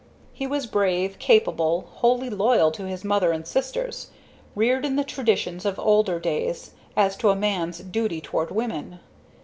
He was brave, capable, wholly loyal to his mother and sisters, reared in the traditions of older days as to a man's duty toward women.